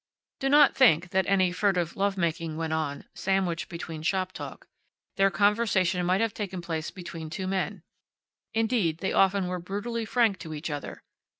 Do not think that any furtive love making went on, sandwiched between shop talk. Their conversation might have taken place between two men. Indeed, they often were brutally frank to each other.